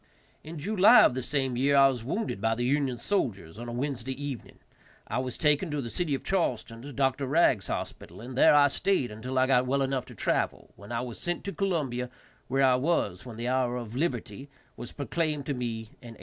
In July of the same year I was wounded by the Union soldiers, on a Wednesday evening. I was taken to the city of Charleston, to Dr. Regg's hospital, and there I stayed until I got well enough to travel, when I was sent to Columbia, where I was when the hour of liberty was proclaimed to me, in 1865.